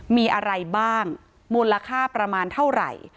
มีอะไรบ้างมูลค่าประมาณเท่าไหร่